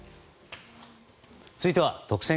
続いては特選！！